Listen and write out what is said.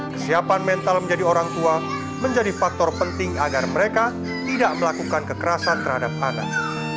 kesiapan mental menjadi orang tua menjadi faktor penting agar mereka tidak melakukan kekerasan terhadap anak